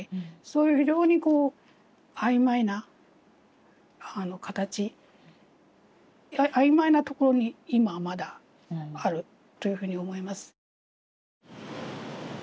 そういう非常にこう曖昧な形曖昧なところに今まだあるというふうに思います。